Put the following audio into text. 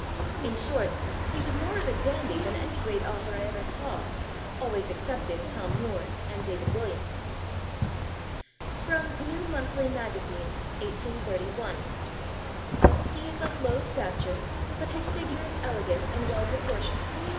In short, he was more of a dandy than any great author I ever saw always excepting Tom Moore and David Williams." [Sidenote: New Monthly Magazine, 1831.] "He is of low stature, but his figure is elegant and well proportioned.